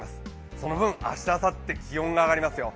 その分、明日、あさって気温が上がりますよ。